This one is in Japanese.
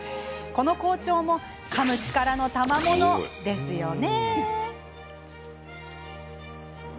この好調もかむ力のたまものですよね。